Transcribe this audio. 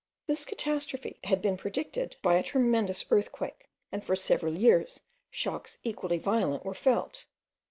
This catastrophe had been preceded by a tremendous earthquake, and for several years shocks equally violent were felt.